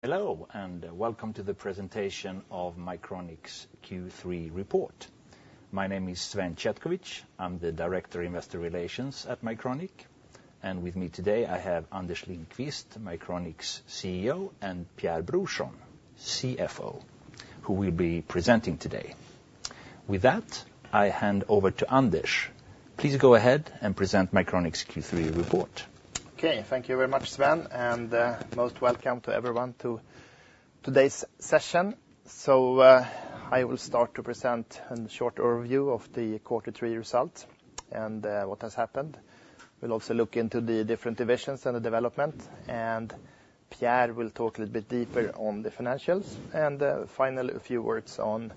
Hello, and welcome to the presentation of Mycronic's Q3 report. My name is Sven Chetkovich. I'm the Director of Investor Relations at Mycronic. And with me today, I have Anders Lindqvist, Mycronic's CEO, and Pierre Brorsson, CFO, who will be presenting today. With that, I hand over to Anders. Please go ahead and present Mycronic's Q3 report. Okay, thank you very much, Sven, and most welcome to everyone to today's session. So I will start to present a short overview of the Quarter 3 results and what has happened. We'll also look into the different divisions and the development, and Pierre will talk a little bit deeper on the financials and finally a few words on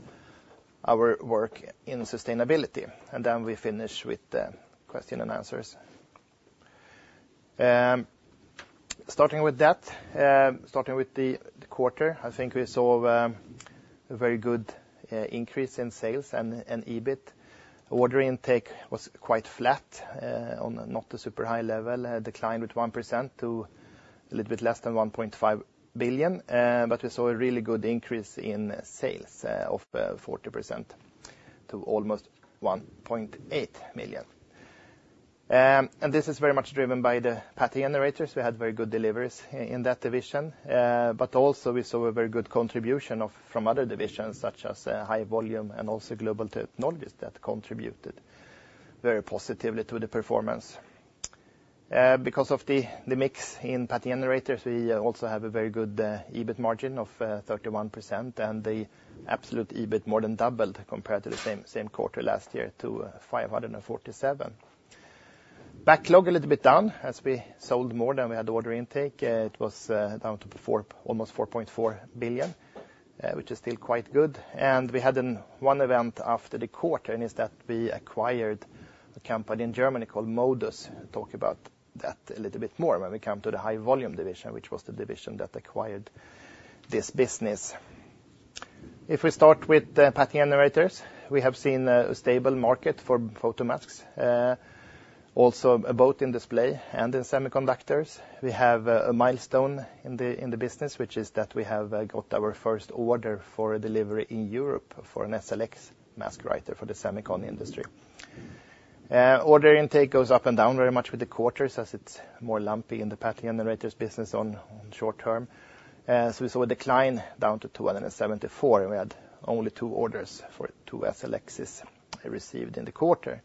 our work in sustainability. And then we finish with questions and answers. Starting with that, starting with the quarter, I think we saw a very good increase in sales and EBIT. Order intake was quite flat, on not a super high level, declined with 1% to a little bit less than 1.5 billion, but we saw a really good increase in sales of 40% to almost 1.8 billion. And this is very much driven by the Pattern Generators. We had very good deliveries in that division, but also we saw a very good contribution from other divisions, such as High Volume and also Global Technologies that contributed very positively to the performance. Because of the mix in Pattern Generators, we also have a very good EBIT margin of 31%, and the absolute EBIT more than doubled compared to the same quarter last year to 547. Backlog a little bit down as we sold more than we had order intake. It was down to almost 4.4 billion, which is still quite good, and we had one event after the quarter, and instead we acquired a company in Germany called Modus. I'll talk about that a little bit more when we come to the High Volume division, which was the division that acquired this business. If we start with Pattern Generators, we have seen a stable market for photomasks, also about display and in semiconductors. We have a milestone in the business, which is that we have got our first order for a delivery in Europe for an SLX mask writer for the semiconductor industry. Order intake goes up and down very much with the quarters as it's more lumpy in the Pattern Generators business in the short term. We saw a decline down to 274 million, and we had only two orders for two SLXs received in the quarter.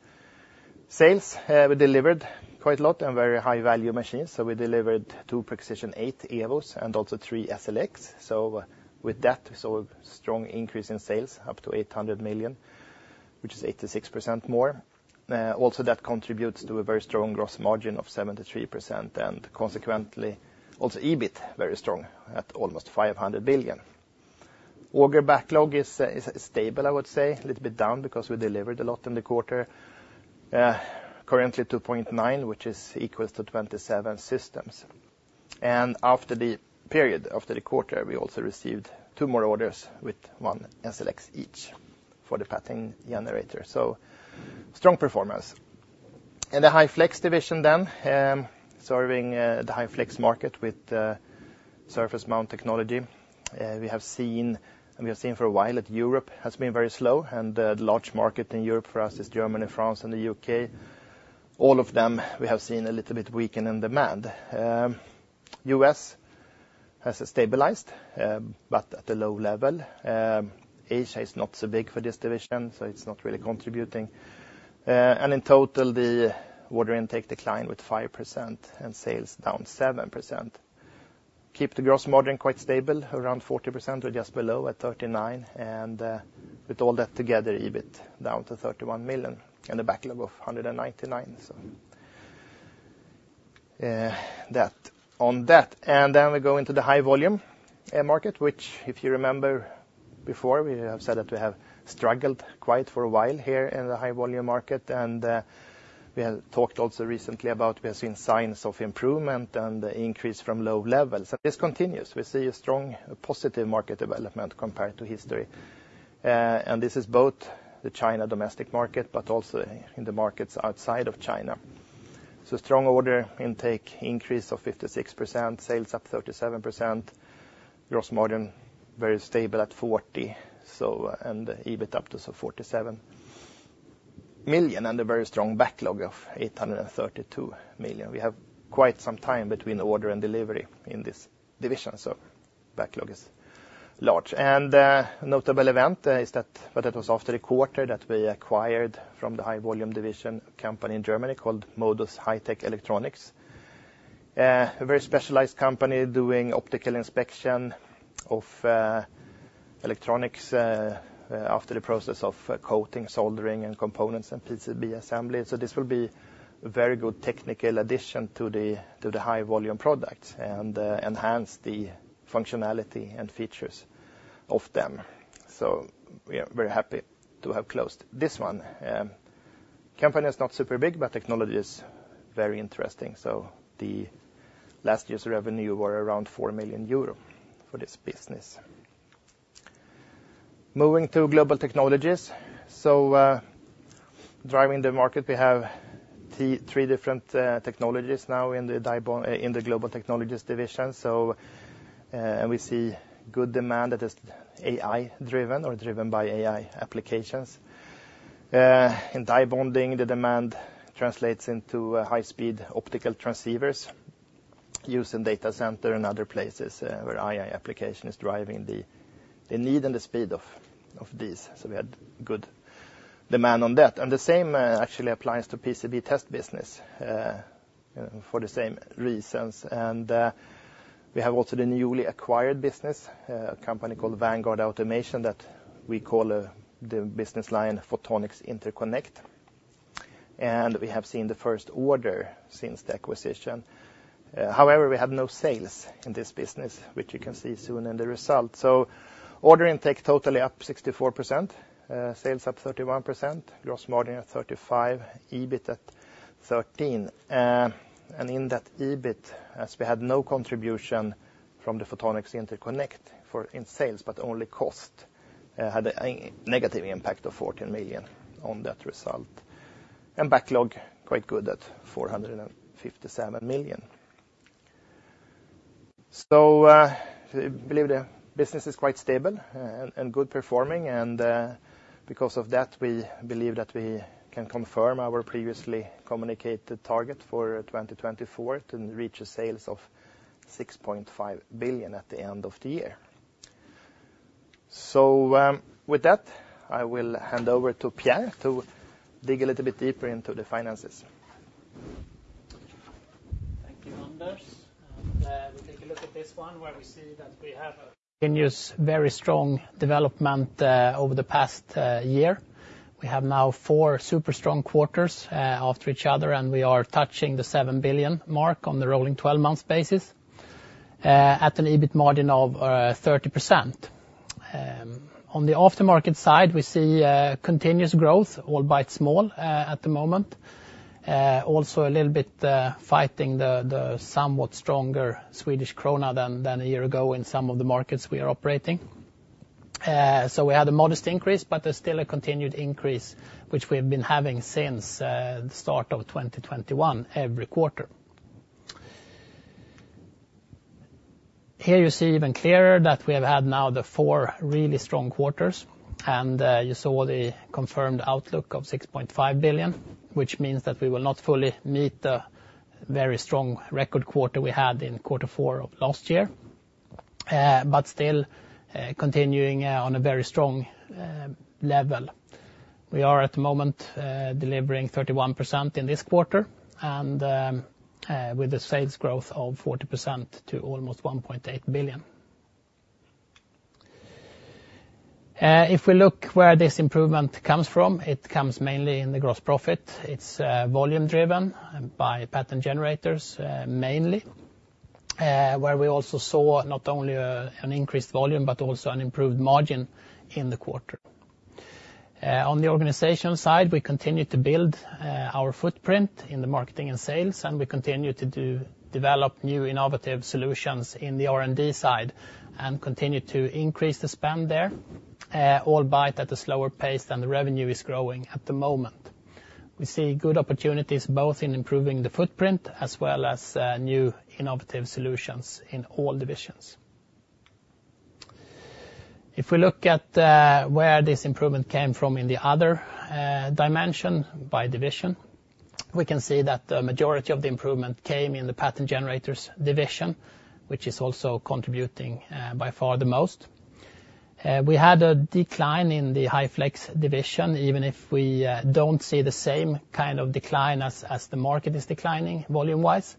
Sales, we delivered quite a lot and very high value machines. We delivered two Prexision 8 Evos and also three SLXs. With that, we saw a strong increase in sales up to 800 million, which is 86% more. Also, that contributes to a very strong gross margin of 73% and consequently also EBIT very strong at almost 500 billion. Order backlog is stable, I would say, a little bit down because we delivered a lot in the quarter. Currently 2.9, which equals to 27 systems. And after the period, after the quarter, we also received two more orders with one SLX each for the Pattern Generators. So strong performance. And the High Flex division then, serving the High Flex market with surface mount technology. We have seen, and we have seen for a while that Europe has been very slow, and the large market in Europe for us is Germany, France, and the UK. All of them we have seen a little bit weaken in demand. U.S. has stabilized, but at a low level. Asia is not so big for this division, so it's not really contributing. In total, the order intake declined with 5% and sales down 7%. [We] kept the gross margin quite stable, around 40%, or just below at 39%. With all that together, EBIT down to SEK 31 million and a backlog of SEK 199 million. So tha So strong order intake increase of 56%, sales up 37%, gross margin very stable at 40%, and EBIT up to 47 million, and a very strong backlog of 832 million. We have quite some time between order and delivery in this division, so backlog is large. And a notable event is that what it was after the quarter that we acquired for the High Volume division company in Germany called Modus High-Tech Electronics. A very specialized company doing optical inspection of electronics after the process of coating, soldering, and components and PCB assembly. So this will be a very good technical addition to the High Volume products and enhance the functionality and features of them. So we are very happy to have closed this one. Company is not super big, but technology is very interesting. So the last year's revenue were around 4 million euros for this business. Moving to Global Technologies. So driving the market, we have three different technologies now in the Global Technologies division. And we see good demand that is AI driven or driven by AI applications. In die bonding, the demand translates into high speed optical transceivers used in data centers and other places where AI application is driving the need and the speed of these. So we had good demand on that. And the same actually applies to PCB test business for the same reasons. And we have also the newly acquired business, a company called Vanguard Automation that we call the business line Photonics Interconnect. And we have seen the first order since the acquisition. However, we had no sales in this business, which you can see soon in the results. So order intake totally up 64%, sales up 31%, gross margin at 35%, EBIT at 13%. And in that EBIT, as we had no contribution from the Photonics Interconnect in sales, but only cost had a negative impact of 14 million on that result. And backlog quite good at 457 million. So we believe the business is quite stable and good performing. And because of that, we believe that we can confirm our previously communicated target for 2024 to reach sales of 6.5 billion at the end of the year. So with that, I will hand over to Pierre to dig a little bit deeper into the finances. Thank you, Anders. We'll take a look at this one where we see that we have continuous very strong development over the past year. We have now four super strong quarters after each other, and we are touching the 7 billion mark on the rolling 12 months basis at an EBIT margin of 30%. On the aftermarket side, we see continuous growth, albeit small at the moment. Also a little bit fighting the somewhat stronger Swedish krona than a year ago in some of the markets we are operating, so we had a modest increase, but there's still a continued increase, which we have been having since the start of 2021 every quarter. Here you see even clearer that we have had now the four really strong quarters, and you saw the confirmed outlook of 6.5 billion, which means that we will not fully meet the very strong record quarter we had in quarter four of last year, but still continuing on a very strong level. We are at the moment delivering 31% in this quarter and with a sales growth of 40% to almost 1.8 billion. If we look where this improvement comes from, it comes mainly in the gross profit. It's volume driven by Pattern Generators mainly, where we also saw not only an increased volume, but also an improved margin in the quarter. On the organization side, we continue to build our footprint in the marketing and sales, and we continue to develop new innovative solutions in the R&D side and continue to increase the spend there, albeit at a slower pace than the revenue is growing at the moment. We see good opportunities both in improving the footprint as well as new innovative solutions in all divisions. If we look at where this improvement came from in the other dimension by division, we can see that the majority of the improvement came in the Pattern Generators division, which is also contributing by far the most. We had a decline in the High Flex division, even if we don't see the same kind of decline as the market is declining volume-wise,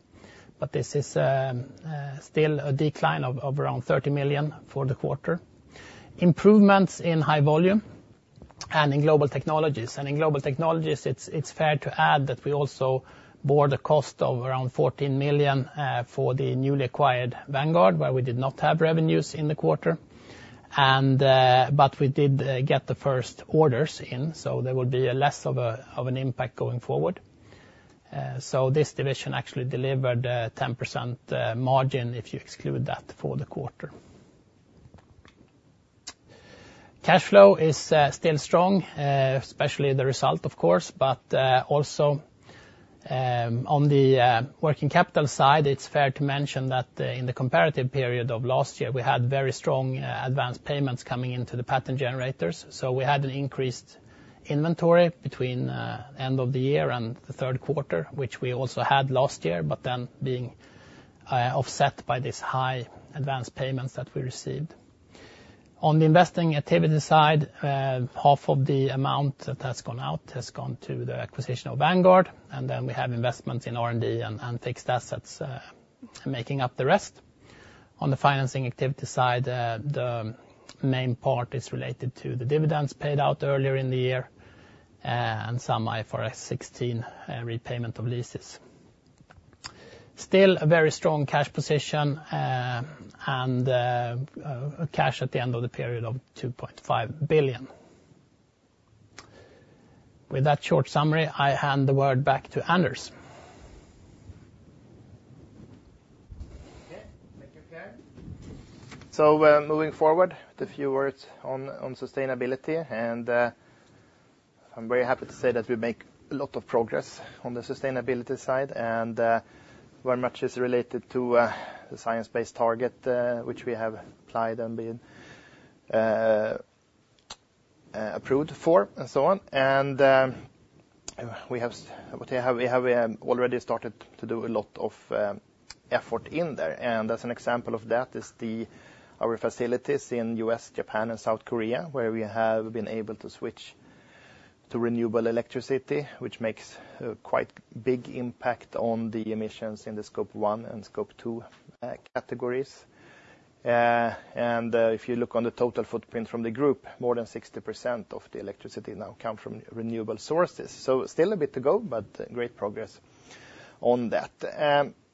but this is still a decline of around 30 million for the quarter. Improvements in High Volume and in Global Technologies. And in Global Technologies, it's fair to add that we also bore the cost of around 14 million for the newly acquired Vanguard, where we did not have revenues in the quarter, but we did get the first orders in, so there will be less of an impact going forward. So this division actually delivered 10% margin if you exclude that for the quarter. Cash flow is still strong, especially the result, of course, but also on the working capital side, it's fair to mention that in the comparative period of last year, we had very strong advance payments coming into the Pattern Generators. So we had an increased inventory between the end of the year and the third quarter, which we also had last year, but then being offset by this high advance payments that we received. On the investing activity side, half of the amount that has gone out has gone to the acquisition of Vanguard, and then we have investments in R&D and fixed assets making up the rest. On the financing activity side, the main part is related to the dividends paid out earlier in the year and some IFRS 16 repayment of leases. Still a very strong cash position and cash at the end of the period of 2.5 billion. With that short summary, I hand the word back to Anders. Okay, thank you, Pierre. So moving forward with a few words on sustainability, and I'm very happy to say that we make a lot of progress on the sustainability side and very much is related to the science-based target, which we have applied and been approved for and so on. And we have already started to do a lot of effort in there. And as an example of that is our facilities in U.S., Japan, and South Korea, where we have been able to switch to renewable electricity, which makes a quite big impact on the emissions in the Scope 1 and Scope 2 categories. And if you look on the total footprint from the group, more than 60% of the electricity now comes from renewable sources. So still a bit to go, but great progress on that.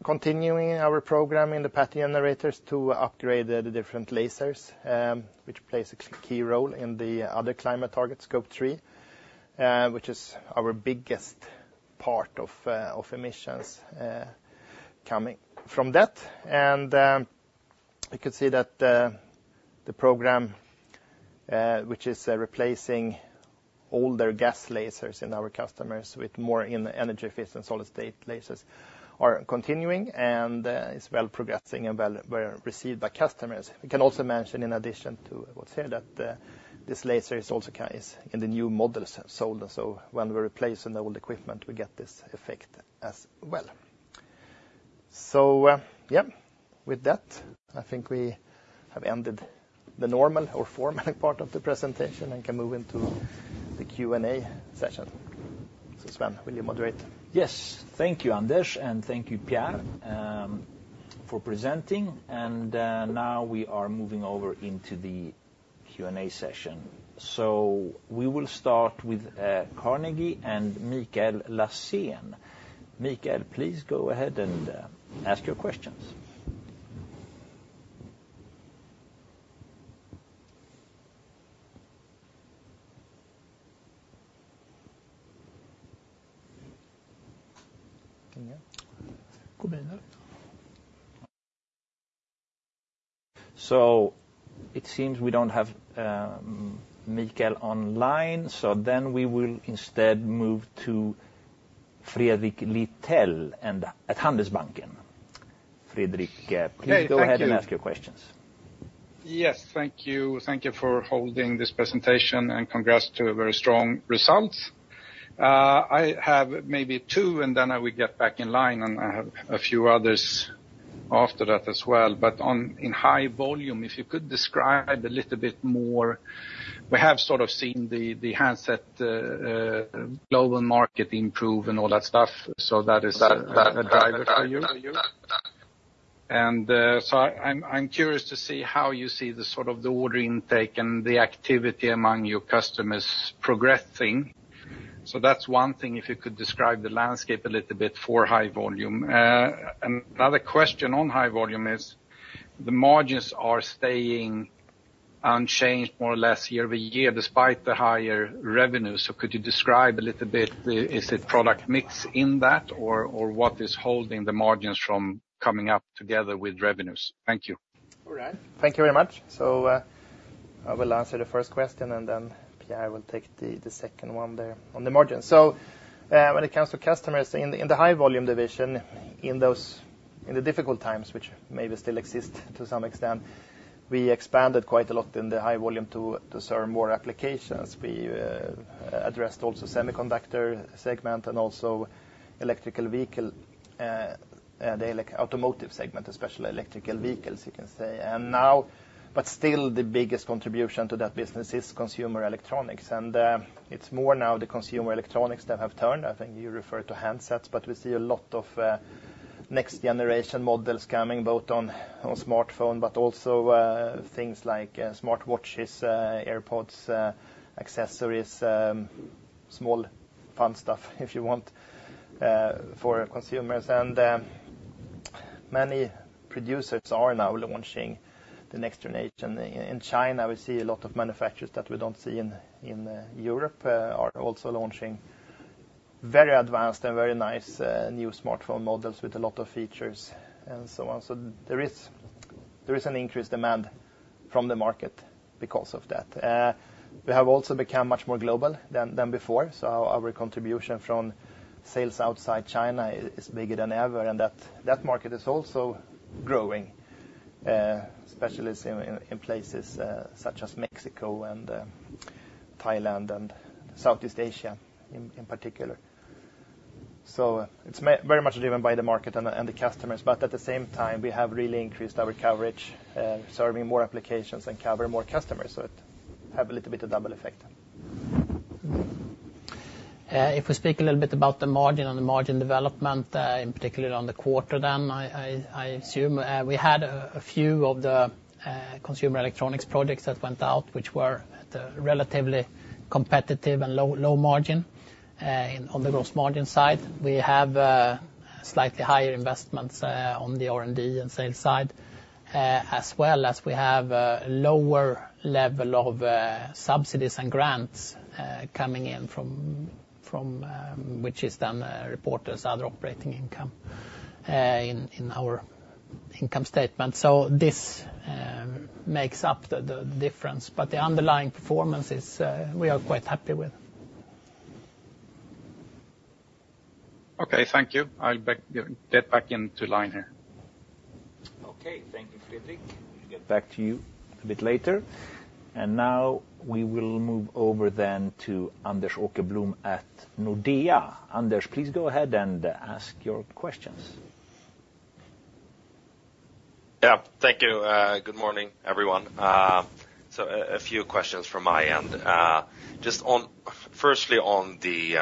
Continuing our program in the Pattern Generators to upgrade the different lasers, which plays a key role in the other climate targets, Scope 3, which is our biggest part of emissions coming from that. And you could see that the program, which is replacing older gas lasers in our customers with more energy-efficient solid-state lasers, are continuing and is well progressing and well received by customers. We can also mention in addition to what's here that this laser is also in the new models sold. So when we replace an old equipment, we get this effect as well. So yeah, with that, I think we have ended the normal or formal part of the presentation and can move into the Q&A session. So Sven, will you moderate? Yes, thank you, Anders, and thank you, Pierre, for presenting. And now we are moving over into the Q&A session. So we will start with Carnegie and Mikael Laséen. Mikael, please go ahead and ask your questions. So it seems we don't have Mikael online, so then we will instead move to Fredrik Lithell at Handelsbanken. Fredrik, please go ahead and ask your questions. Yes, thank you. Thank you for holding this presentation and congrats to a very strong result. I have maybe two, and then I will get back in line and I have a few others after that as well. But in High Volume, if you could describe a little bit more, we have sort of seen the handset global market improve and all that stuff. So that is a driver for you. And so I'm curious to see how you see the sort of the order intake and the activity among your customers progressing. So that's one thing, if you could describe the landscape a little bit for High Volume. Another question on High Volume is the margins are staying unchanged more or less year over year despite the higher revenue. So could you describe a little bit, is it product mix in that or what is holding the margins from coming up together with revenues? Thank you. All right, thank you very much, so I will answer the first question and then Pierre will take the second one there on the margin, so when it comes to customers in the High Volume division, in the difficult times, which maybe still exist to some extent, we expanded quite a lot in the High Volume to serve more applications. We addressed also semiconductor segment and also electric vehicle, the automotive segment, especially electric vehicles, you can say, and now, but still the biggest contribution to that business is consumer electronics, and it's more now the consumer electronics that have turned. I think you referred to handsets, but we see a lot of next generation models coming both on smartphone, but also things like smartwatches, AirPods, accessories, small fun stuff, if you want, for consumers, and many producers are now launching the next generation. In China, we see a lot of manufacturers that we don't see in Europe are also launching very advanced and very nice new smartphone models with a lot of features and so on. So there is an increased demand from the market because of that. We have also become much more global than before. So our contribution from sales outside China is bigger than ever. And that market is also growing, especially in places such as Mexico and Thailand and Southeast Asia in particular. So it's very much driven by the market and the customers. But at the same time, we have really increased our coverage, serving more applications and covering more customers. So it has a little bit of double effect. If we speak a little bit about the margin and the margin development, in particular on the quarter then, I assume we had a few of the consumer electronics projects that went out, which were relatively competitive and low margin on the gross margin side. We have slightly higher investments on the R&D and sales side, as well as we have a lower level of subsidies and grants coming in from, which is then reported as other operating income in our income statement. So this makes up the difference, but the underlying performance is we are quite happy with. Okay, thank you. I'll get back into line here. Okay, thank you, Fredrik. We'll get back to you a bit later. And now we will move over then to Anders Åkerblom at Nordea. Anders, please go ahead and ask your questions. Yeah, thank you. Good morning, everyone. So a few questions from my end. Just firstly on the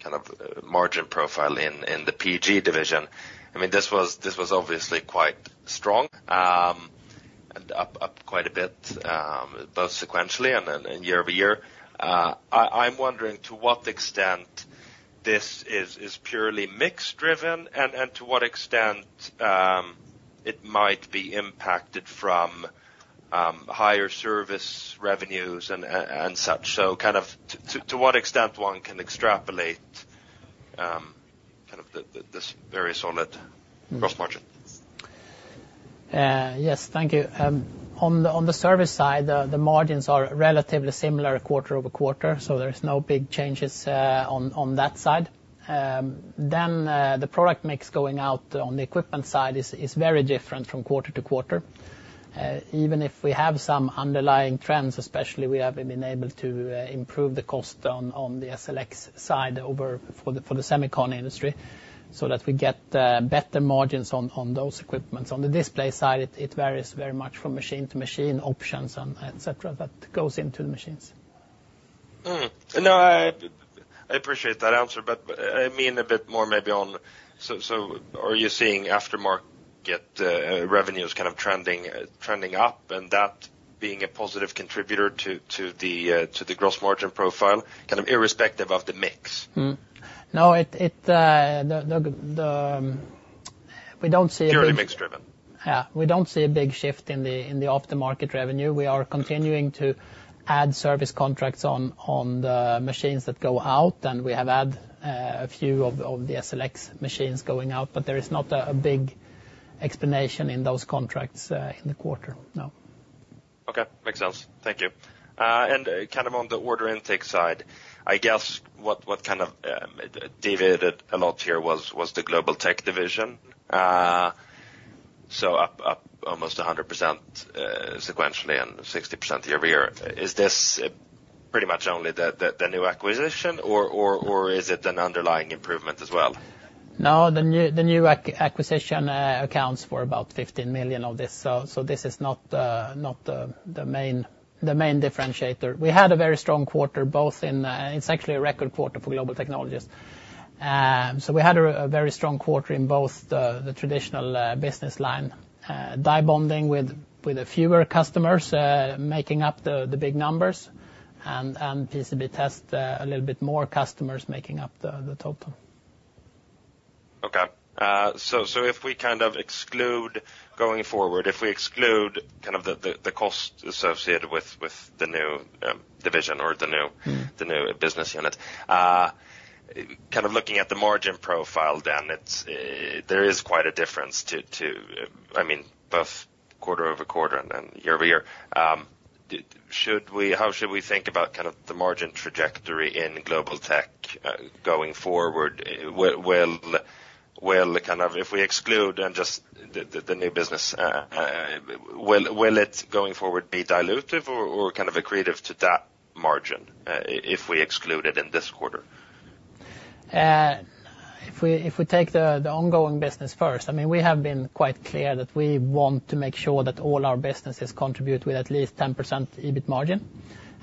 kind of margin profile in the PG division. I mean, this was obviously quite strong and up quite a bit, both sequentially and year over year. I'm wondering to what extent this is purely mixed driven and to what extent it might be impacted from higher service revenues and such. So kind of to what extent one can extrapolate kind of this very solid gross margin. Yes, thank you. On the service side, the margins are relatively similar quarter over quarter, so there's no big changes on that side. Then the product mix going out on the equipment side is very different from quarter to quarter. Even if we have some underlying trends, especially we have been able to improve the cost on the SLX side for the semiconductor industry so that we get better margins on those equipments. On the display side, it varies very much from machine to machine options and etc. that goes into the machines. No, I appreciate that answer, but I mean a bit more maybe on, so are you seeing aftermarket revenues kind of trending up and that being a positive contributor to the gross margin profile, kind of irrespective of the mix? No, we don't see a big. Purely mixed driven. Yeah, we don't see a big shift in the aftermarket revenue. We are continuing to add service contracts on the machines that go out, and we have had a few of the SLX machines going out, but there is not a big explanation in those contracts in the quarter. No. Okay, makes sense. Thank you, and kind of on the order intake side, I guess what kind of deviated a lot here was the Global Technologies division, so up almost 100% sequentially and 60% year over year. Is this pretty much only the new acquisition, or is it an underlying improvement as well? No, the new acquisition accounts for about 15 million of this. So this is not the main differentiator. We had a very strong quarter both in, it's actually a record quarter for Global Technologies. So we had a very strong quarter in both the traditional business line, die bonding with fewer customers making up the big numbers, and PCB test a little bit more customers making up the total. Okay, so if we kind of exclude going forward, if we exclude kind of the cost associated with the new division or the new business unit, kind of looking at the margin profile then, there is quite a difference to, I mean, both quarter over quarter and year over year. How should we think about kind of the margin trajectory in Global Tech going forward? Will kind of, if we exclude just the new business, will it going forward be dilutive or kind of accretive to that margin if we exclude it in this quarter? If we take the ongoing business first, I mean, we have been quite clear that we want to make sure that all our businesses contribute with at least 10% EBIT margin.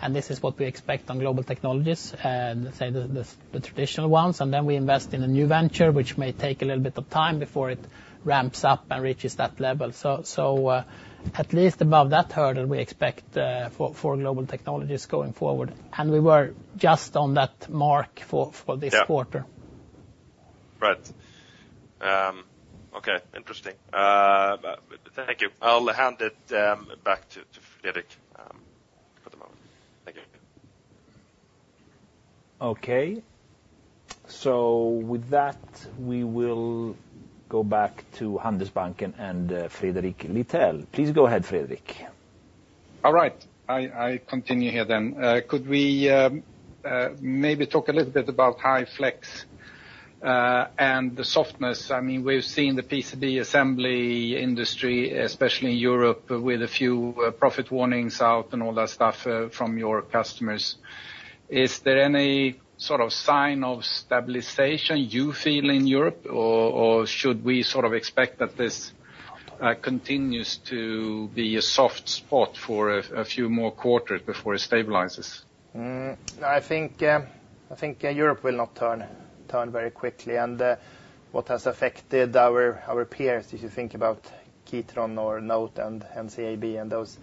And this is what we expect on Global Technologies, say the traditional ones, and then we invest in a new venture, which may take a little bit of time before it ramps up and reaches that level. So at least above that hurdle, we expect for Global Technologies going forward. And we were just on that mark for this quarter. Right. Okay, interesting. Thank you. I'll hand it back to Sven for the moment. Thank you. Okay. So with that, we will go back to Handelsbanken and Fredrik Lithell. Please go ahead, Fredrik. All right. I continue here then. Could we maybe talk a little bit about High Flex and the softness? I mean, we've seen the PCB assembly industry, especially in Europe, with a few profit warnings out and all that stuff from your customers. Is there any sort of sign of stabilization you feel in Europe, or should we sort of expect that this continues to be a soft spot for a few more quarters before it stabilizes? No, I think Europe will not turn very quickly, and what has affected our peers, if you think about Kitron or NOTE and NCAB and those,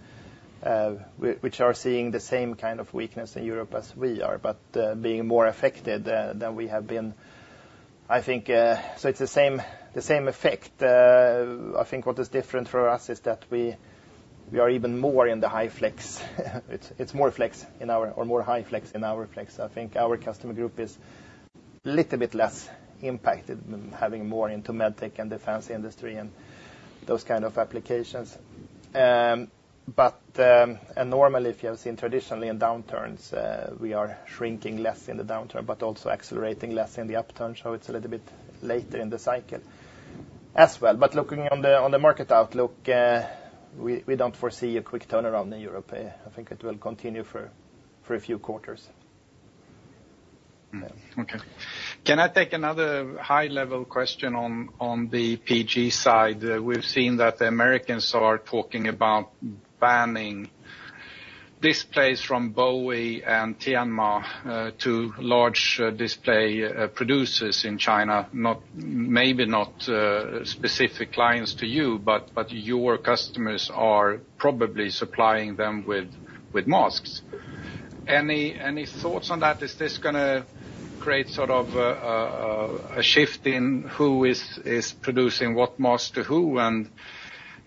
which are seeing the same kind of weakness in Europe as we are, but being more affected than we have been. I think, so it's the same effect. I think what is different for us is that we are even more in the High Flex. It's more Flex in our or more High Flex in our Flex. I think our customer group is a little bit less impacted than having more into med tech and defense industry and those kind of applications. But normally, if you have seen traditionally in downturns, we are shrinking less in the downturn, but also accelerating less in the upturn, so it's a little bit later in the cycle as well. But looking on the market outlook, we don't foresee a quick turnaround in Europe. I think it will continue for a few quarters. Okay. Can I take another high-level question on the PG side? We've seen that the Americans are talking about banning displays from BOE and Tianma to large display producers in China, maybe not specific clients to you, but your customers are probably supplying them with masks. Any thoughts on that? Is this going to create sort of a shift in who is producing what mask to who? And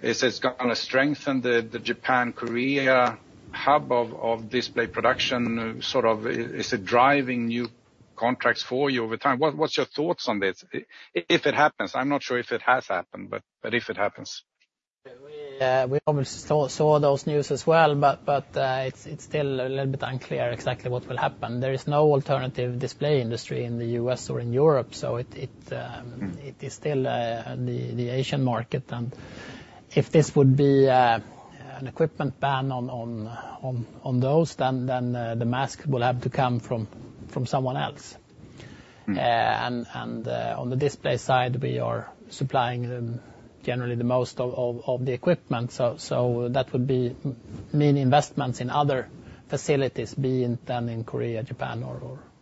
is it going to strengthen the Japan-Korea hub of display production? Sort of, is it driving new contracts for you over time? What's your thoughts on this? If it happens, I'm not sure if it has happened, but if it happens. We obviously saw those news as well, but it's still a little bit unclear exactly what will happen. There is no alternative display industry in the U.S. or in Europe. So it is still the Asian market. And if this would be an equipment ban on those, then the mask will have to come from someone else. And on the display side, we are supplying generally the most of the equipment. So that would mean investments in other facilities, be it then in Korea, Japan,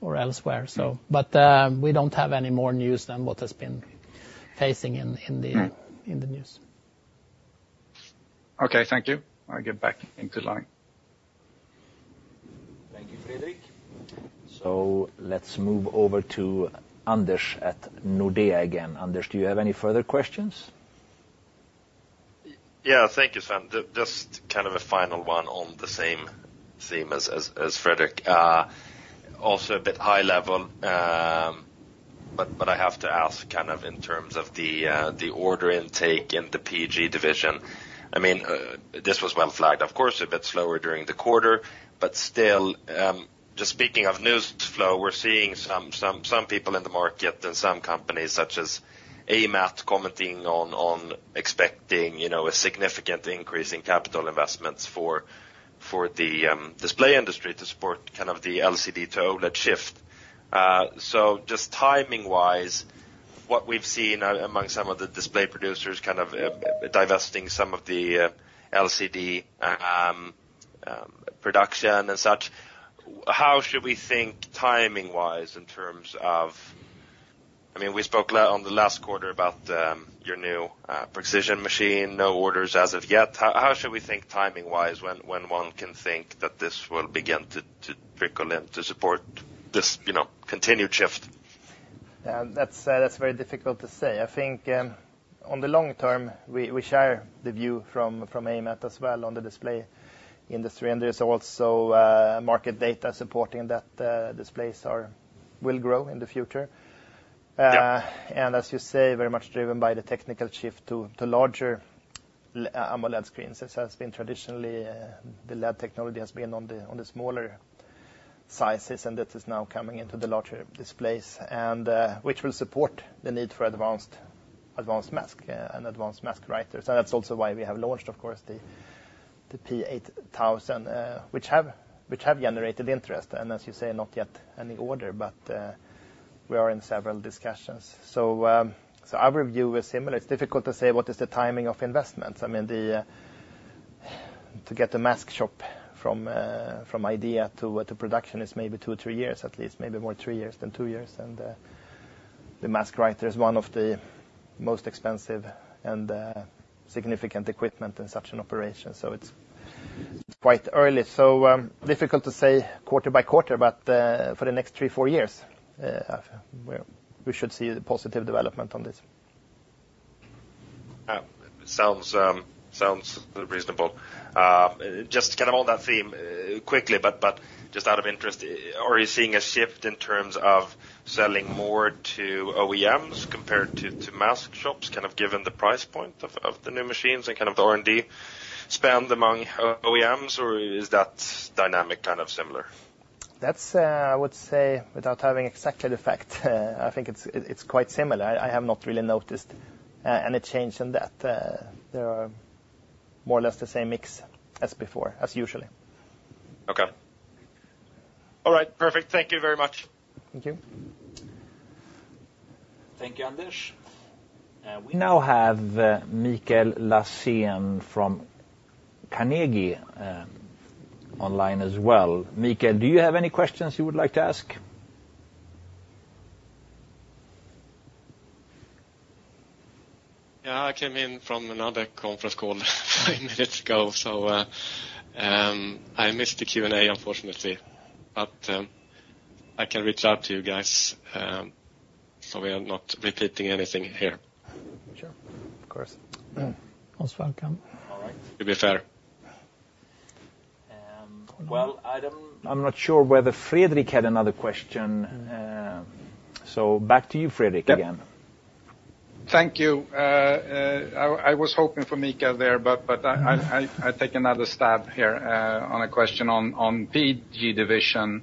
or elsewhere. But we don't have any more news than what has been in the news. Okay, thank you. I'll get back into line. Thank you, Fredrik. So let's move over to Anders at Nordea again. Anders, do you have any further questions? Yeah, thank you, Sven. Just kind of a final one on the same theme as Fredrik. Also a bit high level, but I have to ask kind of in terms of the order intake in the PG division. I mean, this was well flagged. Of course, a bit slower during the quarter, but still, just speaking of news flow, we're seeing some people in the market and some companies, such as AMAT, commenting on expecting a significant increase in capital investments for the display industry to support kind of the LCD to OLED shift. So just timing-wise, what we've seen among some of the display producers kind of divesting some of the LCD production and such, how should we think timing-wise in terms of, I mean, we spoke on the last quarter about your new Prexision machine, no orders as of yet. How should we think timing-wise when one can think that this will begin to trickle in to support this continued shift? That's very difficult to say. I think on the long term, we share the view from AMAT as well on the display industry. And there is also market data supporting that displays will grow in the future. And as you say, very much driven by the technical shift to larger AMOLED screens. This has been traditionally the LED technology on the smaller sizes, and this is now coming into the larger displays, which will support the need for advanced masks and advanced mask writers. And that's also why we have launched, of course, the P8000, which have generated interest. And as you say, not yet any order, but we are in several discussions. So our view is similar. It's difficult to say what is the timing of investments. I mean, to get a mask shop from idea to production is maybe two or three years at least, maybe more three years than two years. And the mask writer is one of the most expensive and significant equipment in such an operation. So it's quite early. So difficult to say quarter by quarter, but for the next three-four years, we should see positive development on this. Sounds reasonable. Just kind of on that theme quickly, but just out of interest, are you seeing a shift in terms of selling more to OEMs compared to mask shops, kind of given the price point of the new machines and kind of the R&D spend among OEMs, or is that dynamic kind of similar? That's, I would say, without having exactly the fact. I think it's quite similar. I have not really noticed any change in that. There are more or less the same mix as before, as usually. Okay. All right. Perfect. Thank you very much. Thank you. Thank you, Anders. We now have Mikael Laséen from Carnegie online as well. Mikael, do you have any questions you would like to ask? Yeah, I came in from another conference call five minutes ago, so I missed the Q&A, unfortunately, but I can reach out to you guys so we are not repeating anything here. Sure. Of course. All right. To be fair. I'm not sure whether Fredrik had another question. Back to you, Fredrik, again. Thank you. I was hoping for Mikael there, but I take another stab here on a question on PG division.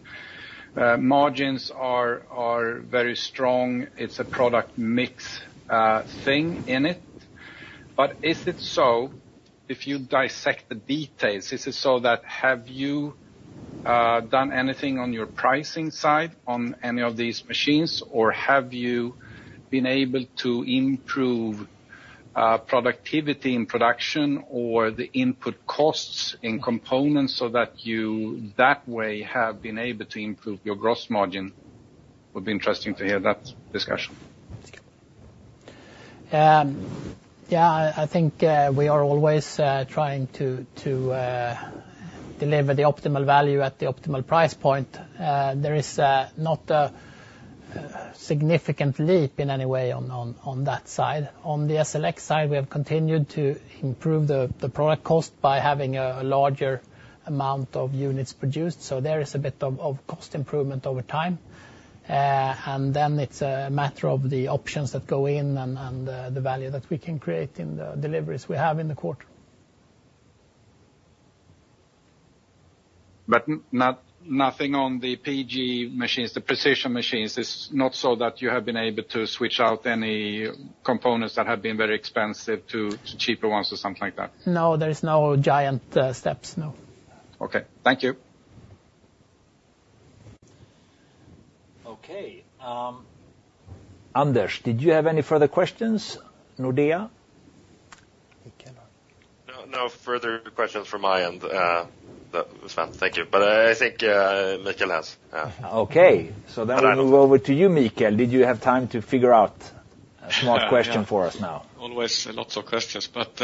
Margins are very strong. It's a product mix thing in it, but is it so, if you dissect the details, is it so that have you done anything on your pricing side on any of these machines, or have you been able to improve productivity in production or the input costs in components so that you that way have been able to improve your gross margin? Would be interesting to hear that discussion. Yeah, I think we are always trying to deliver the optimal value at the optimal price point. There is not a significant leap in any way on that side. On the SLX side, we have continued to improve the product cost by having a larger amount of units produced. So there is a bit of cost improvement over time. And then it's a matter of the options that go in and the value that we can create in the deliveries we have in the quarter. But nothing on the PG machines, the precision machines. It's not so that you have been able to switch out any components that have been very expensive to cheaper ones or something like that? No, there is no giant steps. No. Okay. Thank you. Okay. Anders, did you have any further questions? Nordea? No further questions from my end. That was fine. Thank you. But I think Mikael has. Okay. So then we'll move over to you, Mikael. Did you have time to figure out a smart question for us now? Always lots of questions. But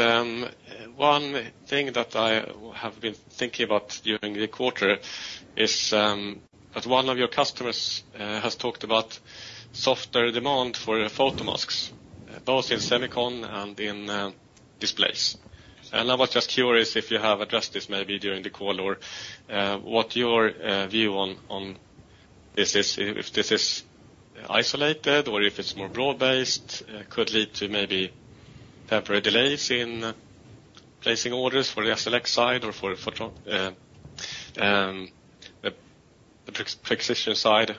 one thing that I have been thinking about during the quarter is that one of your customers has talked about softer demand for photomasks, both in semicon and in displays. And I was just curious if you have addressed this maybe during the call, or what your view on this is, if this is isolated or if it's more broad-based, could lead to maybe temporary delays in placing orders for the SLX side or for the Prexision side?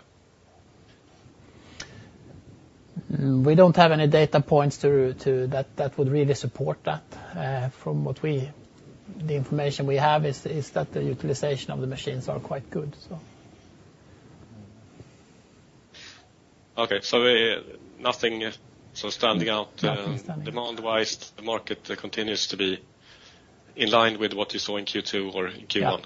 We don't have any data points that would really support that. From the information we have, it's that the utilization of the machines are quite good. Okay, so nothing so standing out demand-wise. The market continues to be in line with what you saw in Q2 or Q1.